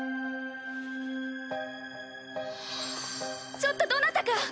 ちょっとどなたか！